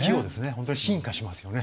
本当に進化しますよね。